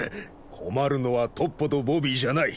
困るのはトッポとボビーじゃない。